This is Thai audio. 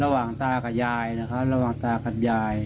ตากับยายนะครับระหว่างตากับยาย